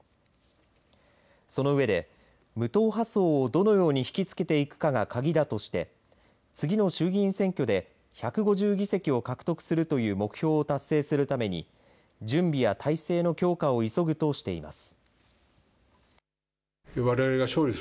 その上で無党派層をどのように引き付けていくかが鍵だとして次の衆議院選挙で１５０議席を獲得するという目標を達成するために準備や態勢の強化を急ぐとしています。